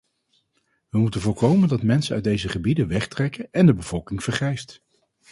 We moeten voorkomen dat mensen uit deze gebieden wegtrekken en de bevolking vergrijst.